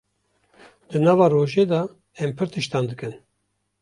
Di nava rojê de em pir tiştan dikin.